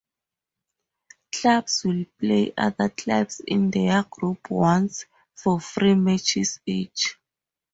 Clubs will play other clubs in their group once for three matches each.